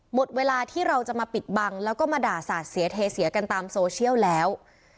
หมดเวลาที่เราจะมาปิดบังแล้วก็มาด่าสาดเสียเทเสียกันตามโซเชียลแล้ว